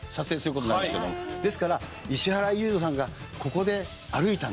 ですから「石原裕次郎さんがここで歩いたんだ」